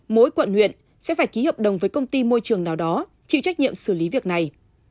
mỗi quận huyện sẽ phải ký hợp đồng với công ty môi trường nào đó chịu trách nhiệm xử lý việc này